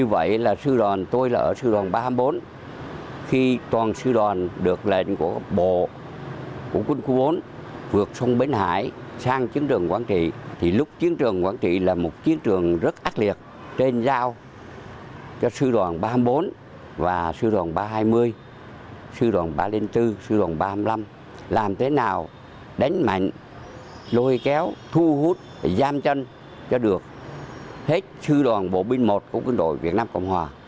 và sư đoàn ba trăm hai mươi sư đoàn ba bốn sư đoàn ba trăm hai mươi năm làm thế nào đánh mạnh lôi kéo thu hút và giam chân cho được hết sư đoàn bộ binh một của quân đội việt nam cộng hòa